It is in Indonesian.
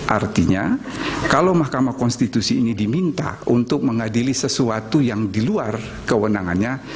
artinya kalau mahkamah konstitusi ini diminta untuk mengadili sesuatu yang di luar kewenangannya